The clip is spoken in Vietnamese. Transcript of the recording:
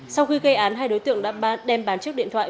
sau khi gây án hai đối tượng đã đem bán chiếc điện thoại